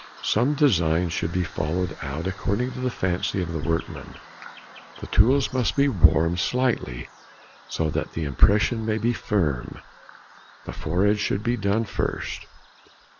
Some design should be followed out according to the fancy of the workman. The tools must be warmed slightly so that the impression may be firm; the foredge should be done first.